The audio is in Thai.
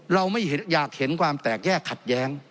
เราไม่อยากเห็นความแตกแยกขัดแย้ง